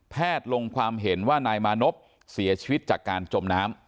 ลงความเห็นว่านายมานพเสียชีวิตจากการจมน้ำ